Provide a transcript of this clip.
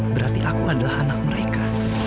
berarti aku adalah anak mereka